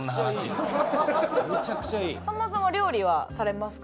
そもそも料理はされますか？